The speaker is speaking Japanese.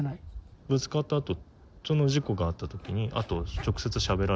ぶつかったあと、その事故があったあと、なんも。